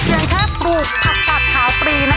อย่างแค่ปลูกผักกัดขาวปลี